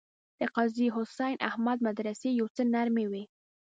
د قاضي حسین احمد مدرسې یو څه نرمې وې.